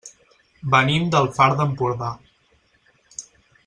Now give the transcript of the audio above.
Venim del Far d'Empordà.